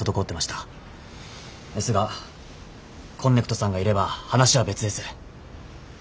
ですがこんねくとさんがいれば話は別です。